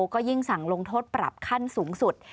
ก็ยิ่งสั่งลงโทษปรับขั้นสูงสุด